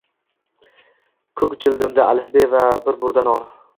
Ko’k jildimda alifbe va bir burda non